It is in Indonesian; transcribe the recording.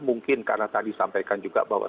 mungkin karena tadi sampaikan juga bahwa